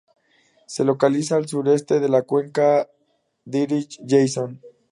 Se localiza al suroeste de la Cuenca Dirichlet-Jackson.